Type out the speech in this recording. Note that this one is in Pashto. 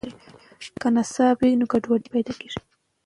که نصاب وي نو ګډوډي نه پیدا کیږي.